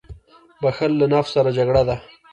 • بښل له نفس سره جګړه ده.